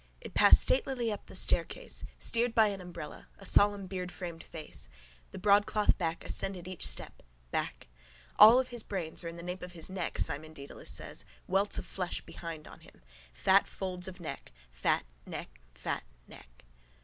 It passed statelily up the staircase, steered by an umbrella, a solemn beardframed face. The broadcloth back ascended each step: back. All his brains are in the nape of his neck, Simon Dedalus says. Welts of flesh behind on him. Fat folds of neck, fat, neck, fat, neck.